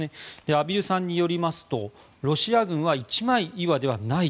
畔蒜さんによりますとロシア軍は一枚岩ではない。